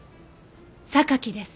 榊です。